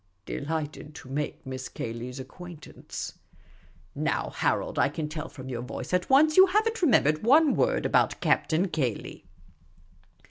" Delighted to make Miss Cayley's acquaint ance." " Now, Harold, I can tell from your voice at once you have n't remembered one word about Captain Cayley."